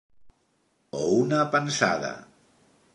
O una pensada.